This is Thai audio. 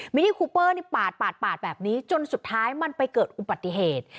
นิ่คูเปอร์นี่ปาดแบบนี้จนสุดท้ายมันไปเกิดอุบัติเหตุ